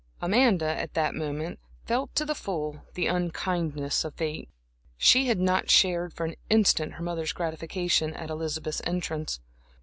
Amanda at that moment felt to the full the unkindness of fate. She had not shared for an instant her mother's gratification at Elizabeth's entrance.